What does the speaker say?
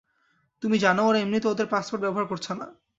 তুমি জানো ওরা এমনিতেও ওদের পাসপোর্ট ব্যবহার করছে না।